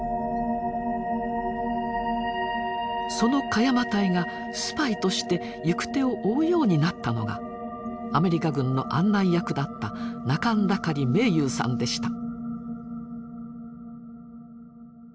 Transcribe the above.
その鹿山隊がスパイとして行く手を追うようになったのがアメリカ軍の案内役だった仲村渠明勇さんでした。